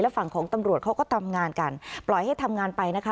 ฝั่งของตำรวจเขาก็ทำงานกันปล่อยให้ทำงานไปนะคะ